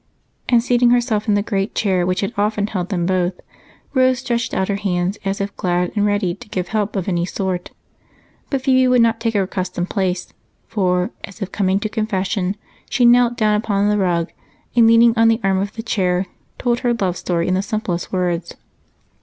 And, seating herself in the great chair which had often held them both, Rose stretched out her hands as if glad and ready to give help of any sort. But Phebe would not take her accustomed place, for, as if coming to confession, she knelt down upon the rug and, leaning on the arm of the chair, told her love story in the simplest words.